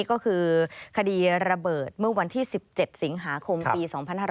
ก็คือคดีระเบิดเมื่อวันที่๑๗สิงหาคมปี๒๕๕๙